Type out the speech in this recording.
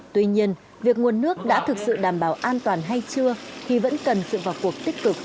tuy nhiên việc nguồn nước đã thực sự đảm bảo an toàn hay chưa thì vẫn cần sự vào cuộc tích cực